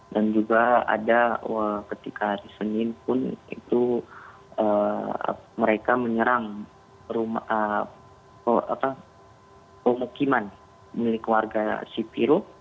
dan juga ada ketika di senin pun mereka menyerang pemukiman milik warga sipiro